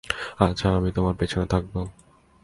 আচ্ছা, আমি তোমার পেছনে থাকব!